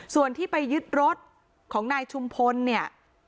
ส่วนที่ไปยึดรถของนายชุมพลเนี่ย